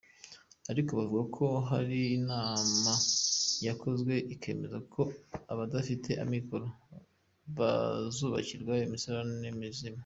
Ariko bavuga ko hari inama yakozwe ikemeza ko abadafite amikoro bazubakirwa imisarane mizima.